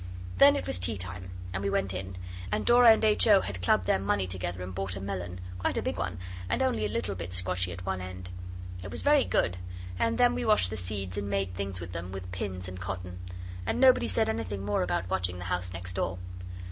Then it was tea time, and we went in; and Dora and H. O. had clubbed their money together and bought a melon; quite a big one, and only a little bit squashy at one end. It was very good, and then we washed the seeds and made things with them and with pins and cotton. And nobody said any more about watching the house next door.